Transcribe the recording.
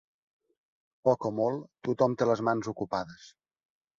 Poc o molt, tothom té les mans ocupades.